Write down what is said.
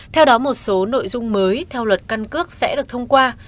theo đó một số nội dung mới theo luật căn cước sẽ được thông qua